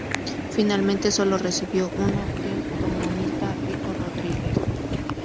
Finalmente solo recibió uno, del trombonista Rico Rodríguez.